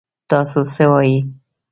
تاسو څه وايي ؟